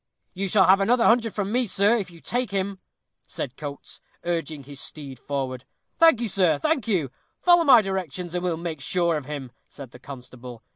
"You shall have another hundred from me, sir, if you take him," said Coates, urging his steed forward. "Thank you, sir, thank you. Follow my directions, and we'll make sure of him," said the constable.